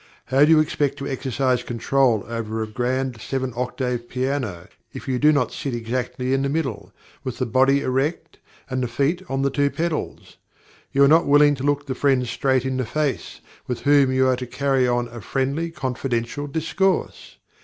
How do you expect to exercise control over a grand seven octave piano, if you do not sit exactly in the middle, with the body erect and the feet on the two pedals? You are not willing to look the friend straight in the face, with whom you are to carry on a friendly, confidential discourse!